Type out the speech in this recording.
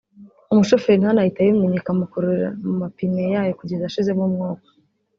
umushoferi ntanahite abimenya ikamukurura mu mapine yayo kugeza ashizemo umwuka